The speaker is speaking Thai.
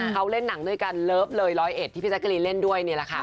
เขาเล่นหนังด้วยกันเลิฟเลย๑๐๑ที่พี่แจ๊กรีนเล่นด้วยนี่แหละค่ะ